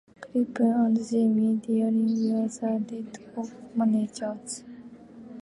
Crippen and Jimmy Deering were the Red Oak managers.